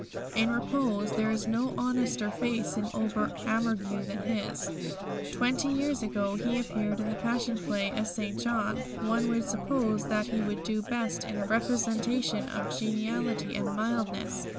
In repose there is no honester face in Ober Ammergau than his. Twenty years ago he appeared in the Passion Play as St. John; one would suppose that he would do best in a representation of geniality and mildness.